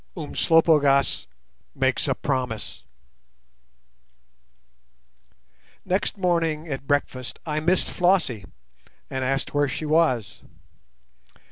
UMSLOPOGAAS MAKES A PROMISE Next morning at breakfast I missed Flossie and asked where she was.